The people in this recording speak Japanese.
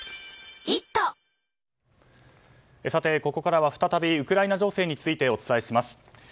ここからは再びウクライナ情勢についてお伝えします。